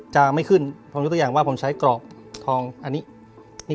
จะไม่ขึ้นผมยกตัวอย่างว่าผมใช้กรอบทองอันนี้